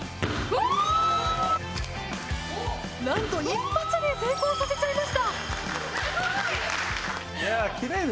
何と一発で成功させちゃいました！